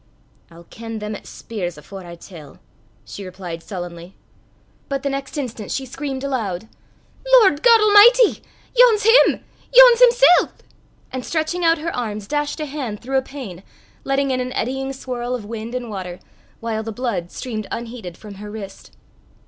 "I'll ken them 'at speirs afore I tell," she replied sullenly. But the next instant she screamed aloud, "Lord God Almichty! yon's him! yon's himsel'!" and, stretching out her arms, dashed a hand through a pane, letting in an eddying swirl of wind and water, while the blood streamed unheeded from her wrist.